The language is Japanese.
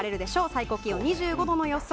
最高気温２５度の予想。